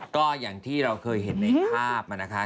ก็อย่างที่เราเคยเห็นในภาพนะคะ